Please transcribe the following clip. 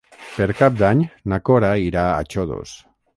Per Cap d'Any na Cora irà a Xodos.